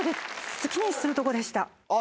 月にするとこでした？